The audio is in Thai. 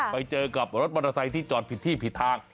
ไปเจอกับรถมอเตอร์ไซค์ที่จอดผิดที่ผิดทาง